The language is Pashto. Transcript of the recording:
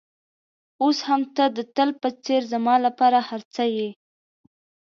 اوس هم ته د تل په څېر زما لپاره هر څه یې.